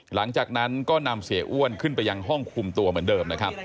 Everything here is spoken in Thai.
หลังจากนั้นก็นำเสียอ้วนขึ้นไปยังห้องคุมตัวเหมือนเดิมนะครับ